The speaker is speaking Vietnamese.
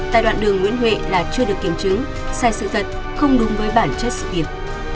tại đoạn đường nguyễn huệ là chưa được kiểm chứng sai sự thật không đúng với bản chất sự việc